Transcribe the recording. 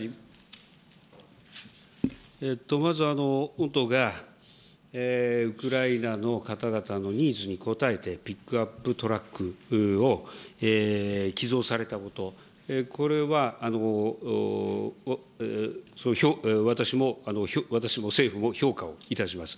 まず、御党がウクライナの方々のニーズに応えて、ピックアップトラックを寄贈されたこと、これは私も、政府も評価をいたします。